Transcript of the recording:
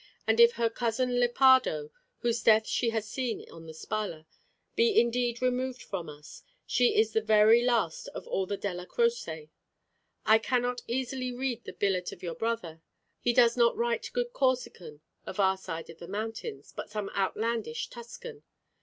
And if her cousin Lepardo, whose death she has seen on the Spalla, be indeed removed from us, she is the very last of all the Della Croce. I cannot easily read the billet of your brother. He does not write good Corsican of our side of the mountains, but some outlandish Tuscan.